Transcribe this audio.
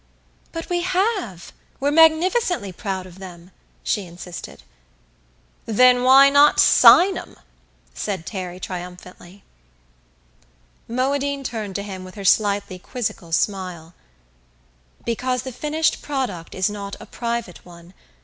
"But we have! We're magnificently proud of them," she insisted. "Then why not sign 'em?" said Terry triumphantly. Moadine turned to him with her slightly quizzical smile. "Because the finished product is not a private one.